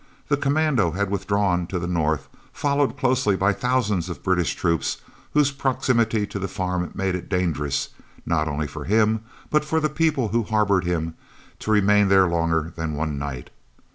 The commando had withdrawn to the north, followed closely by thousands of British troops whose proximity to the farm made it dangerous, not only for him, but for the people who harboured him, to remain there longer than one night.